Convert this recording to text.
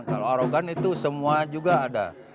kalau arogan itu semua juga ada